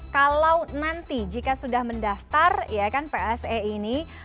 kalau nanti jika sudah mendaftar ya kan pse ini